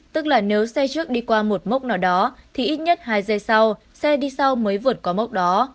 tức là nếu xe trước đi qua một mốc nào đó thì ít nhất hai giây sau xe đi sau mới vượt qua mốc đó